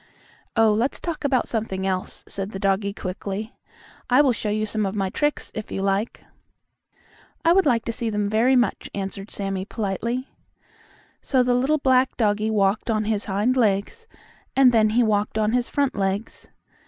"Oh, let's talk about something else," said the doggie quickly. "I will show you some of my tricks, if you like." "I would like to see them very much," answered Sammie politely. So the little black doggie walked on his hind legs, and then he walked on his front legs.